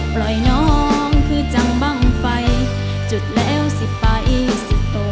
ปล่อยน้องคือจังบังไฟจุดแล้วสิบป่ายสิบตกก็สาย